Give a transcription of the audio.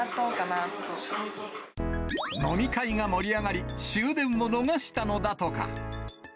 飲み会が盛り上がり、終電を逃したのだとか。